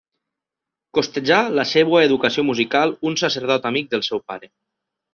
Costejà la seva educació musical un sacerdot amic del seu pare.